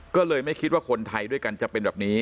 ก็เลยไม่คิดว่าคนไทยด้วยกันจะเป็นแบบนี้